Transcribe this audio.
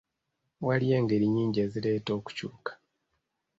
Waliyo engeri nnyingi ezireeta okukyuka.